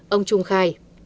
ông trung khai